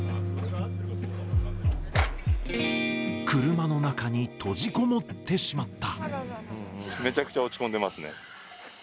車の中に閉じこもってしまった。